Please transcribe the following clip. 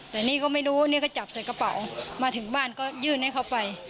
แต่นี่ก็ไม่รู้นี่ก็จับใส่กระเป๋ามาถึงบ้านก็ยื่นให้เขาไป